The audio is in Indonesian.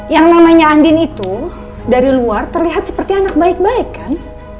yang namanya andin itu dari luar terlihat seperti anak baik baik kan